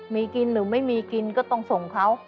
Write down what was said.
มีกินหรือไม่มีกินก็ต้องส่งเขา